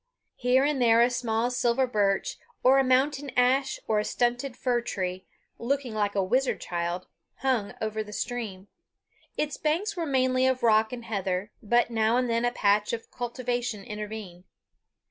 Here and there a small silver birch, or a mountain ash, or a stunted fir tree, looking like a wizard child, hung over the stream. Its banks were mainly of rock and heather, but now and then a small patch of cultivation intervened.